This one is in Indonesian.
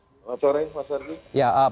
selamat sore mas herdi